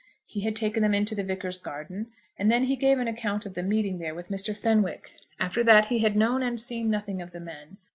He had taken them into the Vicar's garden; and then he gave an account of the meeting there with Mr. Fenwick. After that he had known and seen nothing of the men.